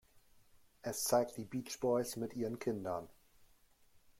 Es zeigt die Beach Boys mit ihren Kindern.